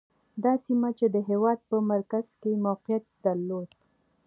دا سیمه چې د هېواد په مرکز کې یې موقعیت درلود.